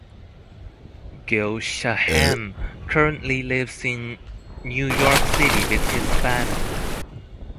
Gil Shaham currently lives in New York City with his family.